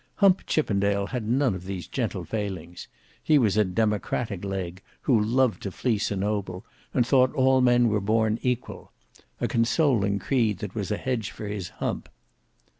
Hump Chippendale had none of these gentle failings; he was a democratic leg, who loved to fleece a noble, and thought all men were born equal—a consoling creed that was a hedge for his hump.